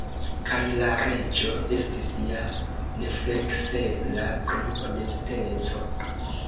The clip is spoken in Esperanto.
Kaj la Reĝo estis ja nefleksebla pri honesteco.